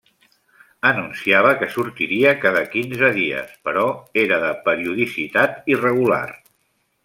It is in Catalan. Anunciava que sortiria cada quinze dies, però era de periodicitat irregular.